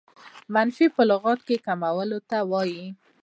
منفي په لغت کښي کمولو ته وايي.